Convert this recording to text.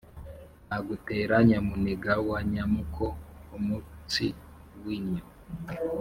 Nagutera Nyamuniga wa Nyamuko-Umutsi w'innyo.